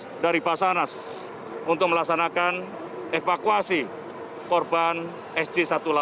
dukas dari pasarnas untuk melaksanakan evakuasi korban sj satu ratus delapan puluh dua